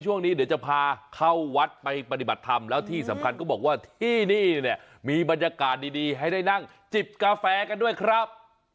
ช่วงนี้เดี๋ยวจะพาเข้าวัดไปปฏิบัติธรรมแล้วที่สำคัญก็บอกว่าที่นี่เนี่ยมีบรรยากาศดีให้ได้นั่งจิบกาแฟกันด้วยครับ